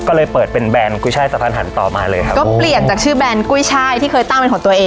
ก็เลยเปิดเป็นแบรนด์กุ้ยช่ายสะพานหันต่อมาเลยครับก็เปลี่ยนจากชื่อแบรนด์กุ้ยช่ายที่เคยตั้งเป็นของตัวเอง